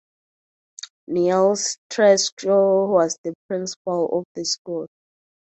Niels Treschow was the principal of this school.